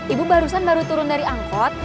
ibu barusan baru turun dari angkot